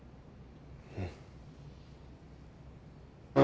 うん。